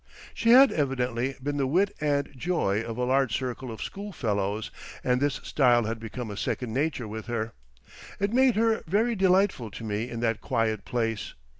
She had evidently been the wit and joy of a large circle of schoolfellows, and this style had become a second nature with her. It made her very delightful to me in that quiet place.